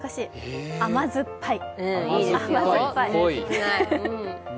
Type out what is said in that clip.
甘酸っぱい。